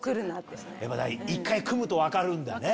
１回組むと分かるんだね